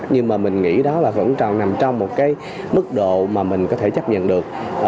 nhưng mà mình nghĩ đó là vẫn còn nằm trong một cái mức độ mà mình có thể chấp nhận được